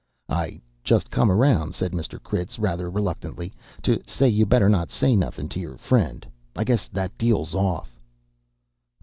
"I just come around," said Mr. Critz, rather reluctantly, "to say you better not say nothing to your friend. I guess that deal's off."